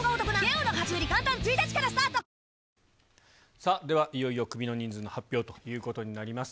さあ、ではいよいよクビの人数の発表ということになります。